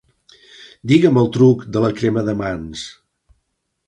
Digue'm el truc de la crema de mans.